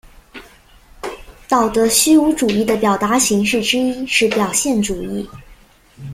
道德虚无主义的表达形式之一是表现主义。